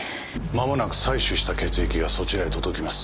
まもなく採取した血液がそちらへ届きます。